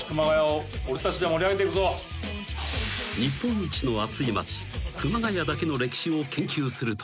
［日本一の暑い町熊谷だけの歴史を研究すると］